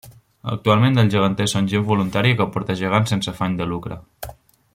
Actualment, els geganters són gent voluntària que porta gegants sense afany de lucre.